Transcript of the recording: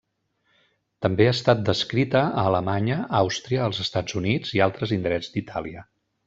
També ha estat descrita a Alemanya, Àustria, els Estats Units i altres indrets d'Itàlia.